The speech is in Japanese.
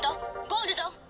ゴールド！。